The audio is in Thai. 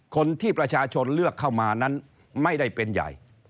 คนที่ประชาชนเลือกเข้ามานั้นไม่ได้เป็นใหญ่